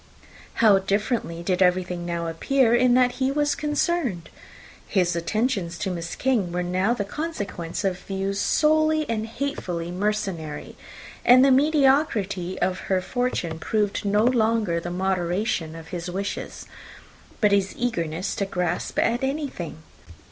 How differently did everything now appear in which he was concerned! His attentions to Miss King were now the consequence of views solely and hatefully mercenary; and the mediocrity of her fortune proved no longer the moderation of his wishes, but his eagerness to grasp at anything.